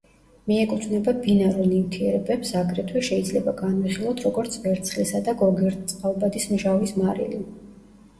მიეკუთვნება ბინარულ ნივთიერებებს, აგრეთვე შეიძლება განვიხილოთ, როგორც ვერცხლისა და გოგირდწყალბადის მჟავის მარილი.